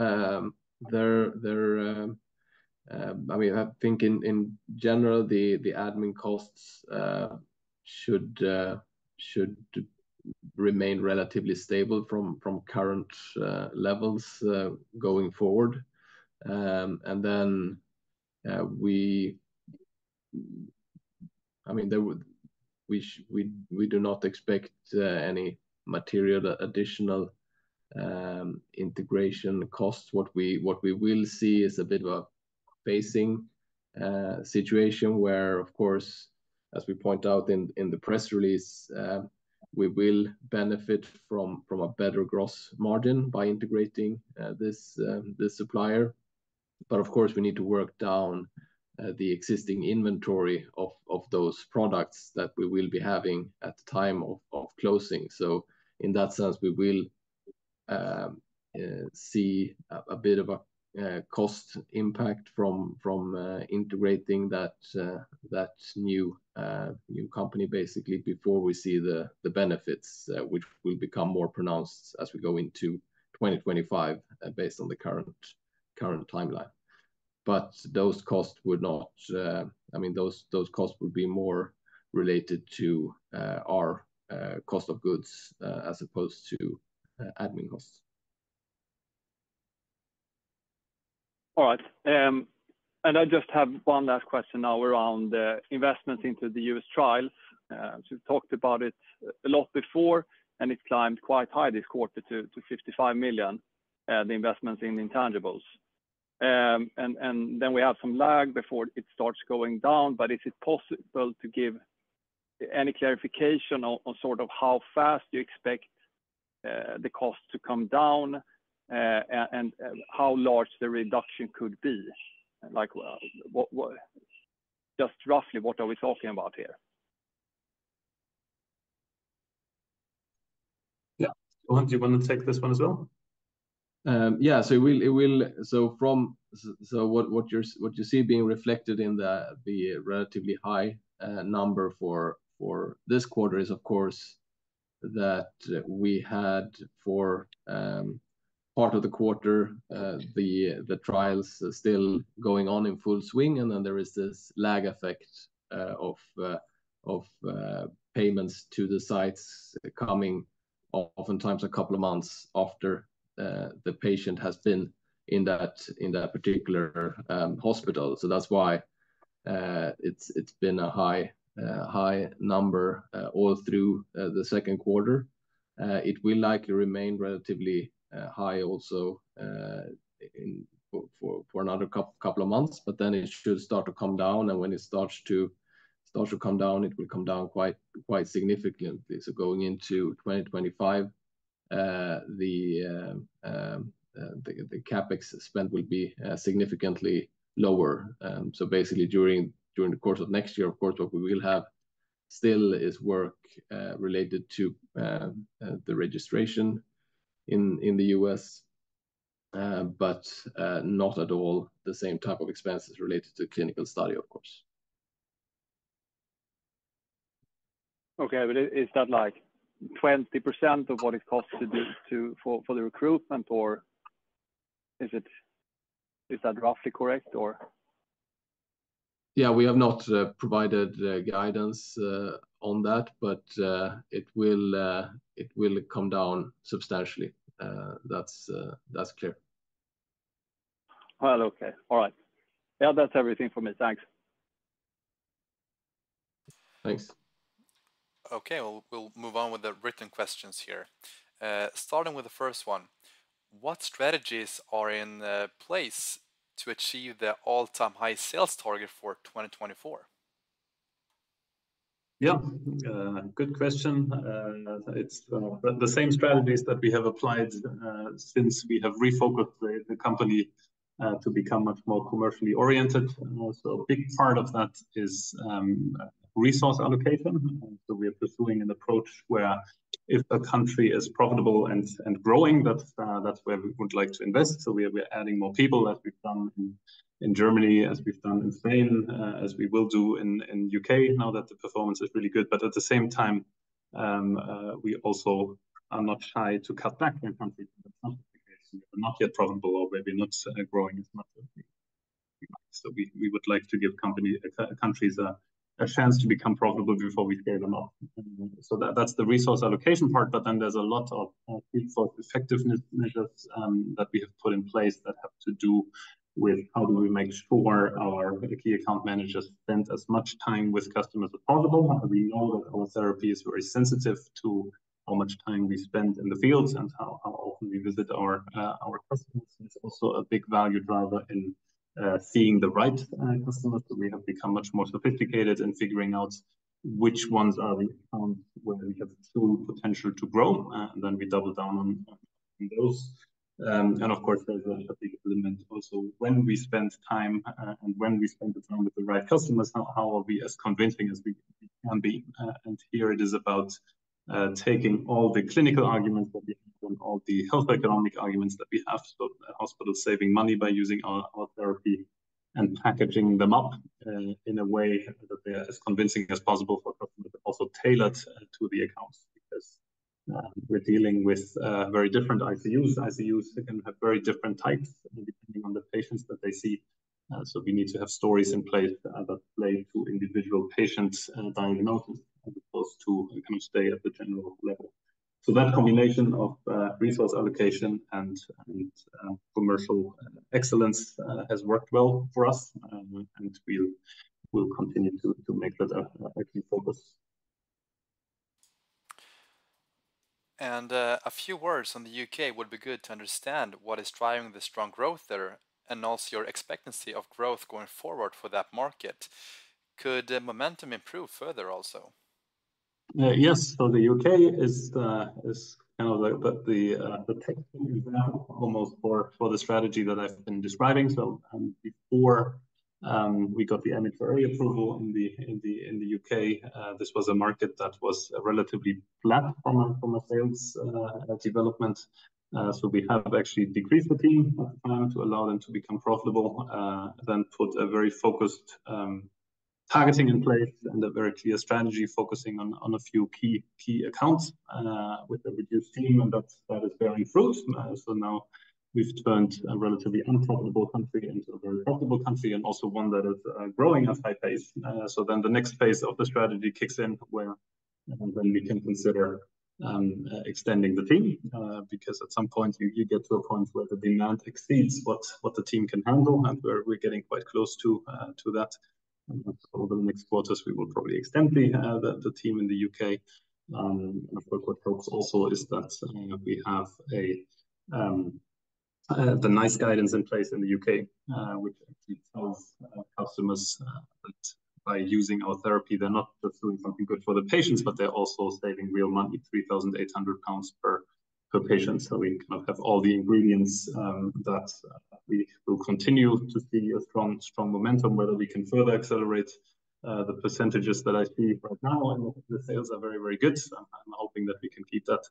I mean, I think in general, the admin costs should remain relatively stable from current levels going forward. And then we, I mean, we do not expect any material additional integration costs. What we will see is a bit of a pacing situation where, of course, as we point out in the press release, we will benefit from a better gross margin by integrating this supplier. But of course, we need to work down the existing inventory of those products that we will be having at the time of closing. So in that sense, we will see a bit of a cost impact from integrating that new company basically before we see the benefits, which will become more pronounced as we go into 2025 based on the current timeline. But those costs would not, I mean, those costs would be more related to our cost of goods as opposed to admin costs. All right. And I just have one last question now around the investments into the U.S. trials. So we've talked about it a lot before, and it climbed quite high this quarter to 55 million, the investments in intangibles. And then we have some lag before it starts going down. But is it possible to give any clarification on sort of how fast you expect the cost to come down and how large the reduction could be? Just roughly, what are we talking about here? Yeah, Johan, do you want to take this one as well? Yeah, so it will, so from what you see being reflected in the relatively high number for this quarter is, of course, that we had for part of the quarter, the trials still going on in full swing. And then there is this lag effect of payments to the sites coming oftentimes a couple of months after the patient has been in that particular hospital. So that's why it's been a high number all through the second quarter. It will likely remain relatively high also for another couple of months, but then it should start to come down. And when it starts to come down, it will come down quite significantly. So going into 2025, the CapEx spend will be significantly lower. So basically, during the course of next year, of course, what we will have still is work related to the registration in the U.S., but not at all the same type of expenses related to clinical study, of course. Okay, but is that like 20% of what it costs for the recruitment, or is that roughly correct, or? Yeah, we have not provided guidance on that, but it will come down substantially. That's clear. Well, okay. All right. Yeah, that's everything for me. Thanks. Thanks. Okay, well, we'll move on with the written questions here. Starting with the first one, what strategies are in place to achieve the all-time high sales target for 2024? Yeah, good question. It's the same strategies that we have applied since we have refocused the company to become much more commercially oriented. A big part of that is resource allocation. We are pursuing an approach where if a country is profitable and growing, that's where we would like to invest. We are adding more people as we've done in Germany, as we've done in Spain, as we will do in the UK now that the performance is really good. But at the same time, we also are not trying to cut back in countries. That's not the case. We are not yet profitable or maybe not growing as much as we like. So we would like to give countries a chance to become profitable before we scale them up. So that's the resource allocation part, but then there's a lot of resource effectiveness measures that we have put in place that have to do with how do we make sure our key account managers spend as much time with customers as possible. We know that our therapy is very sensitive to how much time we spend in the fields and how often we visit our customers. It's also a big value driver in seeing the right customers. So we have become much more sophisticated in figuring out which ones are the accounts where we have true potential to grow, and then we double down on those. Of course, there's a big element also when we spend time and when we spend the time with the right customers, how are we as convincing as we can be. Here it is about taking all the clinical arguments that we have and all the health economic arguments that we have. Hospitals saving money by using our therapy and packaging them up in a way that they are as convincing as possible for customers, but also tailored to the accounts because we're dealing with very different ICUs. ICUs can have very different types depending on the patients that they see. We need to have stories in place that relate to individual patient diagnosis as opposed to kind of stay at the general level. That combination of resource allocation and commercial excellence has worked well for us, and we'll continue to make that a key focus. A few words on the UK would be good to understand what is driving the strong growth there and also your expectancy of growth going forward for that market. Could momentum improve further also? Yes, so the UK is kind of the textbook example almost for the strategy that I've been describing. Before we got the MHRA approval in the UK, this was a market that was relatively flat from a sales development. We have actually decreased the team at the time to allow them to become profitable, then put a very focused targeting in place and a very clear strategy focusing on a few key accounts with a reduced team, and that is bearing fruit. Now we've turned a relatively unprofitable country into a very profitable country and also one that is growing at high pace. So then the next phase of the strategy kicks in where then we can consider extending the team because at some point you get to a point where the demand exceeds what the team can handle and where we're getting quite close to that. Over the next quarters, we will probably extend the team in the UK. And of course, what helps also is that we have the NICE guidance in place in the UK, which actually tells customers that by using our therapy, they're not just doing something good for the patients, but they're also saving real money, 3,800 pounds per patient. So we kind of have all the ingredients that we will continue to see a strong momentum, whether we can further accelerate the percentages that I see right now. And the sales are very, very good. I'm hoping that we can keep that.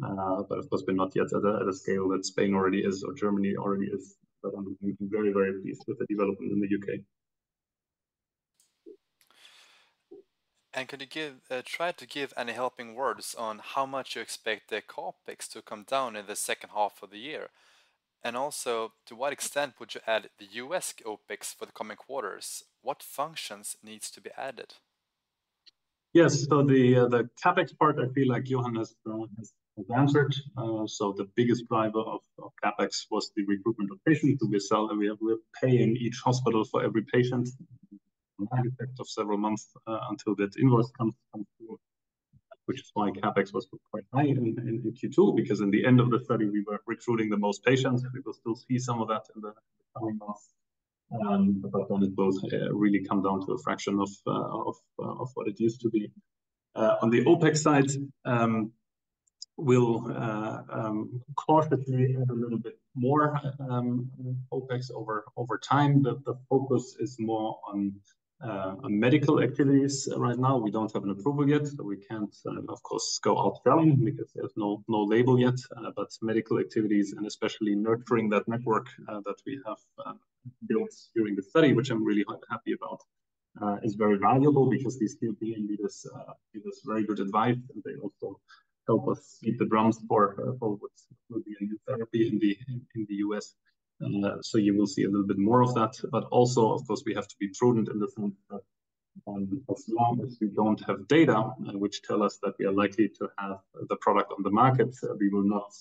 But of course, we're not yet at a scale that Spain already is or Germany already is. But I'm very, very pleased with the development in the UK. And can you try to give any helping words on how much you expect the CapEx to come down in the second half of the year? And also, to what extent would you add the US OPEX for the coming quarters? What functions need to be added? Yes, so the CapEx part, I feel like Johan has answered. So the biggest driver of CapEx was the recruitment of patients. So we are paying each hospital for every patient for a long effect of several months until that invoice comes through, which is why CapEx was quite high in Q2, because in the end of the study, we were recruiting the most patients. We will still see some of that in the coming months. Then it will really come down to a fraction of what it used to be. On the OPEX side, we'll cautiously add a little bit more OPEX over time. The focus is more on medical activities right now. We don't have an approval yet, so we can't, of course, go out selling because there's no label yet. Medical activities, and especially nurturing that network that we have built during the study, which I'm really happy about, is very valuable because these leaders give us very good advice, and they also help us keep the grounds for what will be a new therapy in the U.S. You will see a little bit more of that. But also, of course, we have to be prudent in the sense that as long as we don't have data which tell us that we are likely to have the product on the market, we will not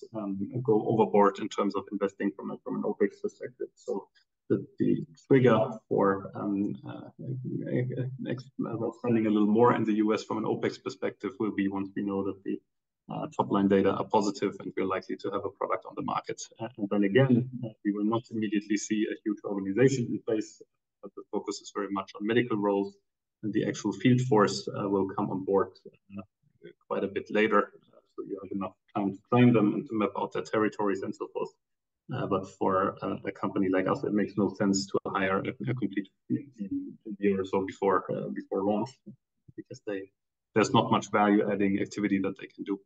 go overboard in terms of investing from an OPEX perspective. So the trigger for spending a little more in the U.S. from an OPEX perspective will be once we know that the top-line data are positive and we're likely to have a product on the market. And then again, we will not immediately see a huge organization in place. The focus is very much on medical roles, and the actual field force will come on board quite a bit later. So you have enough time to train them and to map out their territories and so forth. For a company like us, it makes no sense to hire a complete team in the year or so before launch because there's not much value-adding activity that they can do.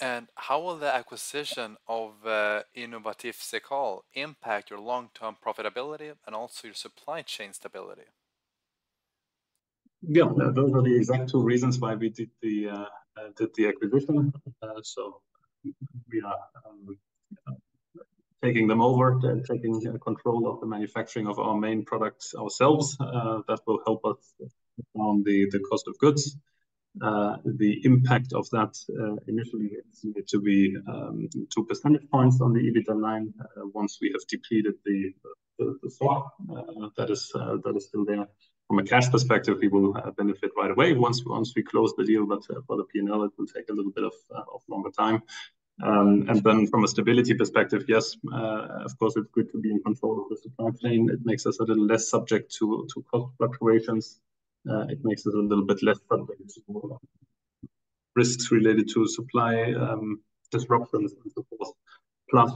How will the acquisition of Innovatif Cekal impact your long-term profitability and also your supply chain stability? Yeah, those are the exact two reasons why we did the acquisition. We are taking them over, taking control of the manufacturing of our main products ourselves. That will help us down the cost of goods. The impact of that initially is to be 2 percentage points on the EBITDA line once we have depleted the stock that is still there. From a cash perspective, we will benefit right away once we close the deal. But for the P&L, it will take a little bit of longer time. Then from a stability perspective, yes, of course, it's good to be in control of the supply chain. It makes us a little less subject to cost fluctuations. It makes us a little bit less subject to risks related to supply disruptions and so forth. Plus,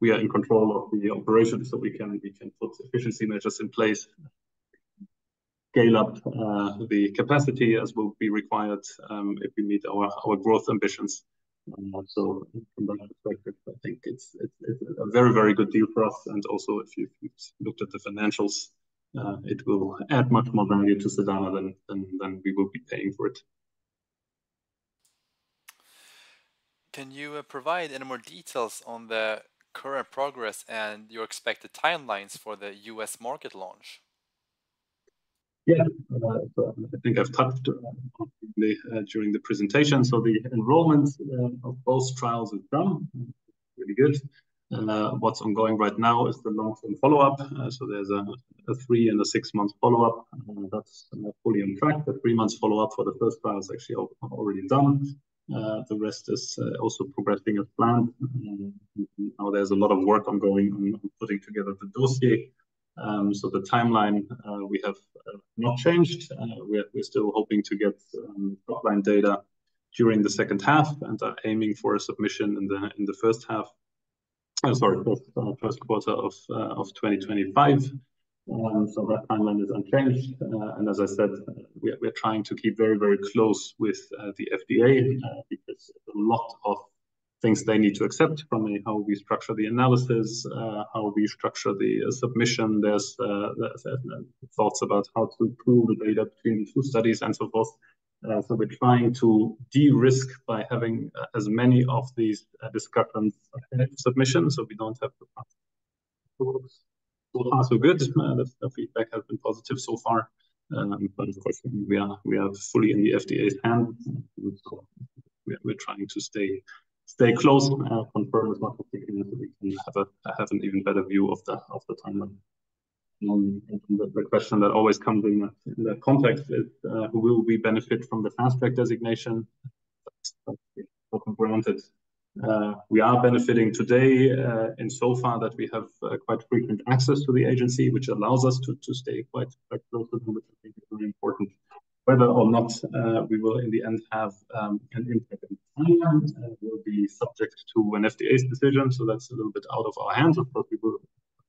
we are in control of the operations, so we can put efficiency measures in place, scale up the capacity as will be required if we meet our growth ambitions. So from that perspective, I think it's a very, very good deal for us. And also, if you've looked at the financials, it will add much more value to Sedana than we will be paying for it. Can you provide any more details on the current progress and your expected timelines for the U.S. market launch? Yeah, so I think I've touched on it during the presentation. The enrollment of both trials is done. Really good. What's ongoing right now is the long-term follow-up. There's a 3- and 6-month follow-up. That's fully on track. The 3-month follow-up for the first trial is actually already done. The rest is also progressing as planned. Now there's a lot of work ongoing on putting together the dossier. The timeline we have not changed. We're still hoping to get top-line data during the second half and are aiming for a submission in the first half, sorry, first quarter of 2025. That timeline is unchanged. As I said, we are trying to keep very, very close with the FDA because there's a lot of things they need to accept from how we structure the analysis, how we structure the submission. There's thoughts about how to prove the data between the two studies and so forth. So we're trying to de-risk by having as many of these pre-submission discussions so we don't have to pass. So good. The feedback has been positive so far. But of course, we are fully in the FDA's hands. So we're trying to stay close, confirm as much as we can, to have an even better view of the timeline. The question that always comes up in that context is, will we benefit from the Fast Track designation? Granted, we are benefiting today insofar as we have quite frequent access to the agency, which allows us to stay quite close to them, which I think is very important. Whether or not we will in the end have an impact on time, it will be subject to the FDA's decision. So that's a little bit out of our hands. Of course, we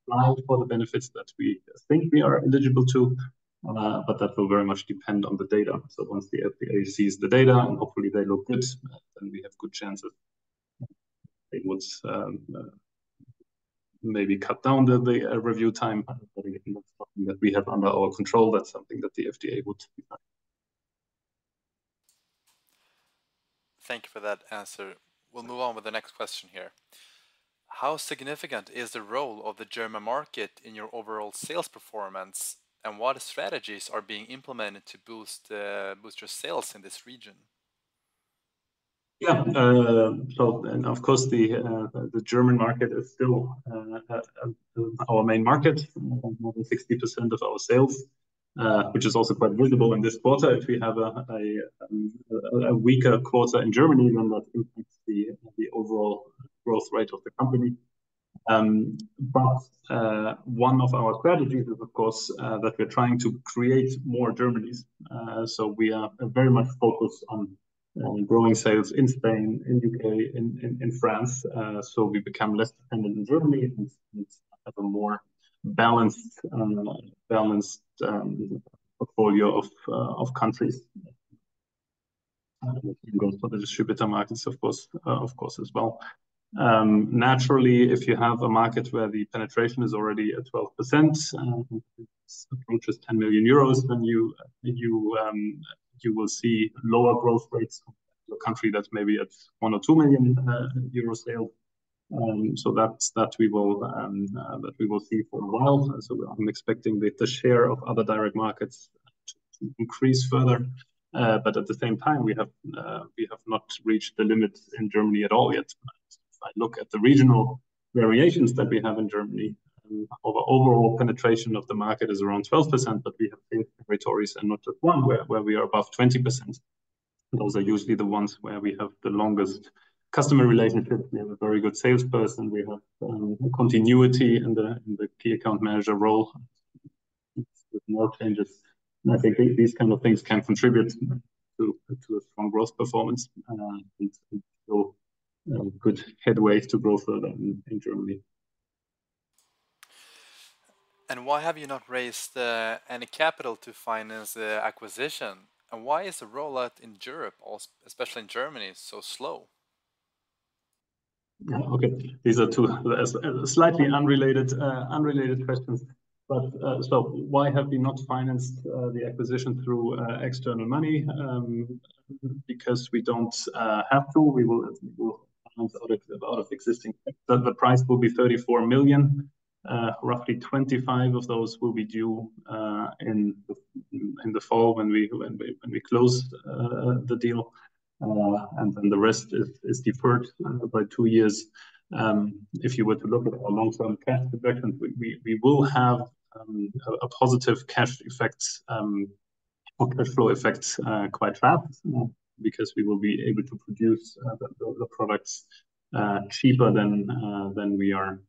will apply for the benefits that we think we are eligible to, but that will very much depend on the data. So once the FDA sees the data and hopefully they look good, then we have good chances they would maybe cut down the review time. But again, that's something that we have under our control. That's something that the FDA would decide. Thank you for that answer. We'll move on with the next question here. How significant is the role of the German market in your overall sales performance and what strategies are being implemented to boost your sales in this region? Yeah, so of course, the German market is still our main market, more than 60% of our sales, which is also quite visible in this quarter. If we have a weaker quarter in Germany, then that impacts the overall growth rate of the company. But one of our strategies is, of course, that we're trying to create more Germanies. So we are very much focused on growing sales in Spain, in the U.K., in France. So we become less dependent on Germany and have a more balanced portfolio of countries. And for the distributor markets, of course, as well. Naturally, if you have a market where the penetration is already at 12%, it approaches 10 million euros, then you will see lower growth rates in a country that's maybe at 1 or 2 million sales. So that we will see for a while. So I'm expecting the share of other direct markets to increase further. But at the same time, we have not reached the limits in Germany at all yet. If I look at the regional variations that we have in Germany, our overall penetration of the market is around 12%, but we have territories and not just one where we are above 20%. Those are usually the ones where we have the longest customer relationships. We have a very good salesperson. We have continuity in the key account manager role. There's more changes. And I think these kind of things can contribute to a strong growth performance and good headway to growth in Germany. Why have you not raised any capital to finance the acquisition? And why is the rollout in Europe, especially in Germany, so slow? Okay, these are two slightly unrelated questions. Why have we not financed the acquisition through external money? Because we don't have to. We will finance out of existing. The price will be 34 million. Roughly 25 of those will be due in the fall when we close the deal. Then the rest is deferred by 2 years. If you were to look at our long-term cash projection, we will have a positive cash effect, cash flow effect quite fast because we will be able to produce the products cheaper than we are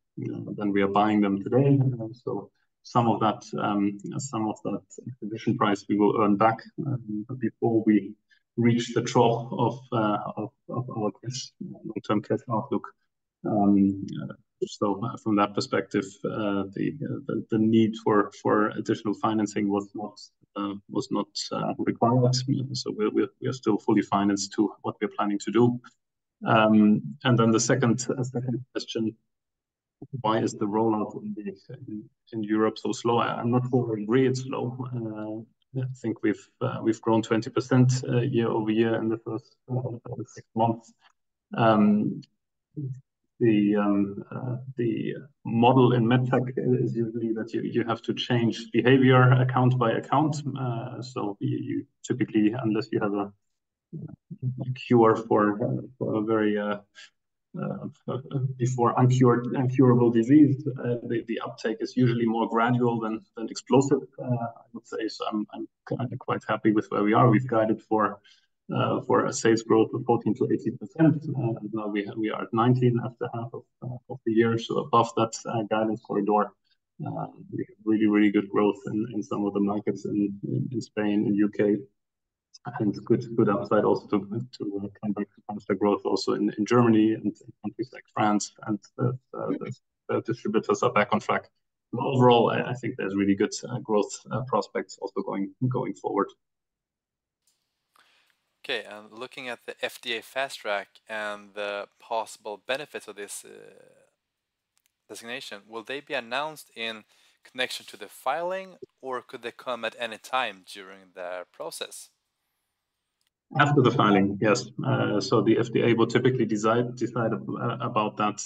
buying them today. So some of that acquisition price, we will earn back before we reach the trough of our long-term cash outlook. So from that perspective, the need for additional financing was not required. So we are still fully financed to what we are planning to do. Then the second question, why is the rollout in Europe so slow? I'm not sure in Greece. I think we've grown 20% year-over-year in the first 6 months. The model in medtech is usually that you have to change behavior account by account. So typically, unless you have a cure for a very uncurable disease, the uptake is usually more gradual than explosive, I would say. So I'm quite happy with where we are. We've guided for a sales growth of 14%-18%. Now we are at 19% after half of the year. So above that guidance corridor, we have really, really good growth in some of the markets in Spain, in the UK. And good upside also to come back to growth also in Germany and in countries like France. And the distributors are back on track. Overall, I think there's really good growth prospects also going forward. Okay, and looking at the FDA fast track and the possible benefits of this designation, will they be announced in connection to the filing, or could they come at any time during the process? After the filing, yes. So the FDA will typically decide about that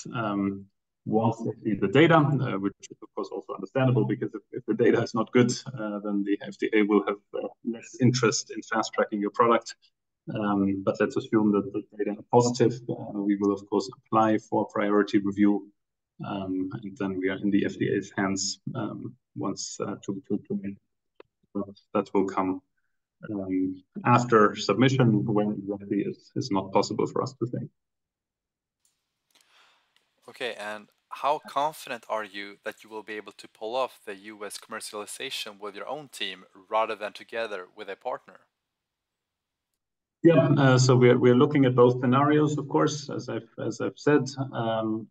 once they see the data, which is, of course, also understandable because if the data is not good, then the FDA will have less interest in fast tracking your product. But let's assume that the data are positive. We will, of course, apply for priority review. And then we are in the FDA's hands once that will come after submission, when it is not possible for us to think. Okay, and how confident are you that you will be able to pull off the US commercialization with your own team rather than together with a partner? Yeah, so we're looking at both scenarios, of course, as I've said.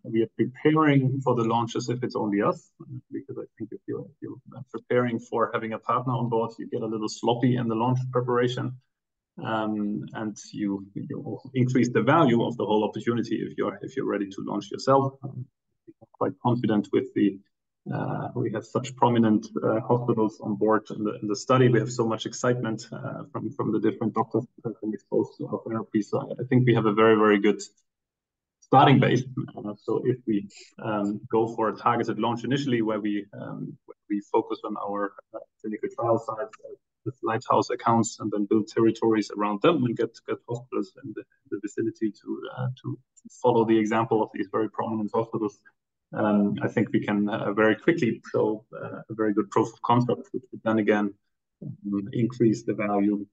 We are preparing for the launch as if it's only us because I think if you're preparing for having a partner on board, you get a little sloppy in the launch preparation. You increase the value of the whole opportunity if you're ready to launch yourself. Quite confident with the we have such prominent hospitals on board in the study. We have so much excitement from the different doctors exposed to our therapy. So I think we have a very, very good starting base. So if we go for a targeted launch initially where we focus on our clinical trial sites, the lighthouse accounts, and then build territories around them and get hospitals in the vicinity to follow the example of these very prominent hospitals, I think we can very quickly show a very good proof of concept, which would then again increase the value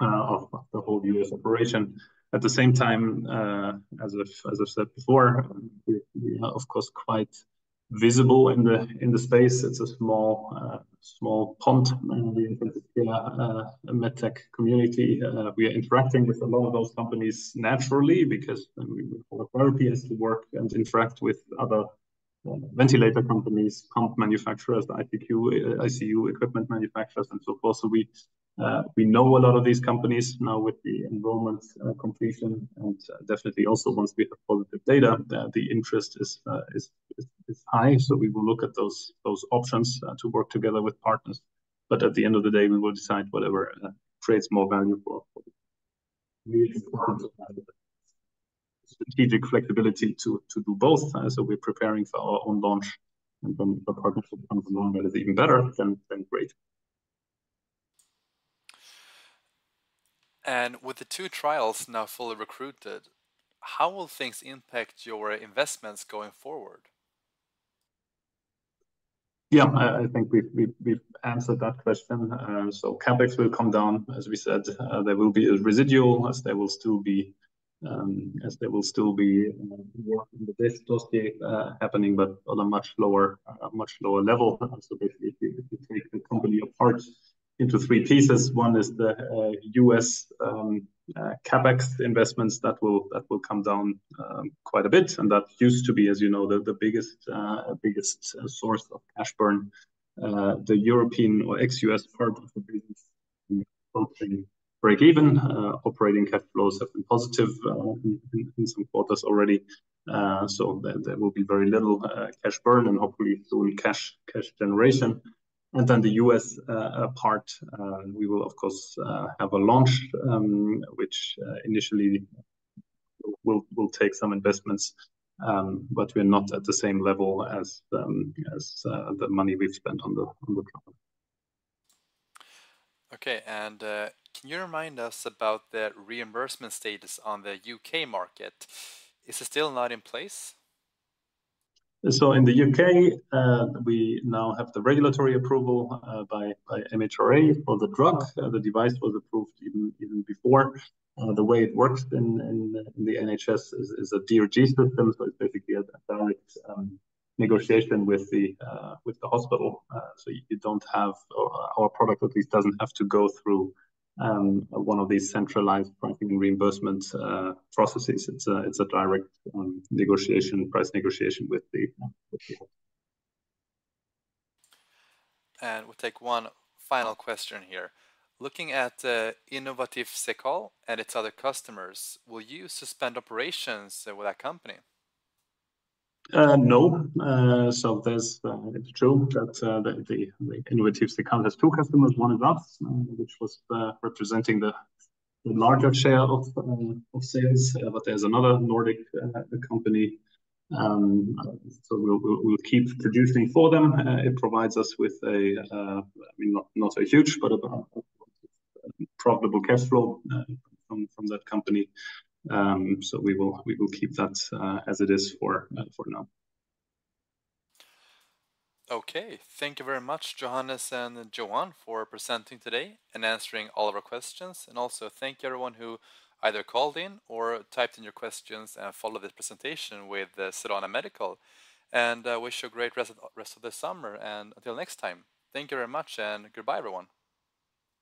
of the whole U.S. operation. At the same time, as I've said before, we are, of course, quite visible in the space. It's a small pond in the medtech community. We are interacting with a lot of those companies naturally because we call our therapy has to work and interact with other ventilator companies, pump manufacturers, ICU equipment manufacturers, and so forth. So we know a lot of these companies now with the enrollment completion. And definitely also once we have positive data, the interest is high. So we will look at those options to work together with partners. But at the end of the day, we will decide whatever creates more value for strategic flexibility to do both. So we're preparing for our own launch. And when we have a partnership, it's even better than great. And with the two trials now fully recruited, how will things impact your investments going forward? Yeah, I think we've answered that question. So CapEx will come down, as we said. There will be a residual as there will still be work in the dossier happening, but on a much lower level. So basically, if you take the company apart into three pieces, one is the U.S. CapEx investments that will come down quite a bit. And that used to be, as you know, the biggest source of cash burn. The European or ex-U.S. part of the business is approaching break-even. Operating cash flows have been positive in some quarters already. So there will be very little cash burn and hopefully little cash generation. And then the U.S. part, we will, of course, have a launch which initially will take some investments, but we're not at the same level as the money we've spent on the drug. Okay, and can you remind us about the reimbursement status on the U.K. market? Is it still not in place? So in the U.K., we now have the regulatory approval by MHRA for the drug. The device was approved even before. The way it works in the NHS is a DRG system. So it's basically a direct negotiation with the hospital. So you don't have our product, at least doesn't have to go through one of these centralized pricing and reimbursement processes. It's a direct negotiation, price negotiation with the hospital. And we'll take one final question here. Looking at Innovatif Cekal and its other customers, will you suspend operations with that company? No. So it's true that Innovatif Cekal has two customers, one is us, which was representing the larger share of sales. But there's another Nordic company. So we'll keep producing for them. It provides us with a, not a huge, but a profitable cash flow from that company. So we will keep that as it is for now. Okay, thank you very much, Johannes and Johan, for presenting today and answering all of our questions. And also thank you everyone who either called in or typed in your questions and followed this presentation with Sedana Medical. And I wish you a great rest of the summer. And until next time, thank you very much and goodbye, everyone.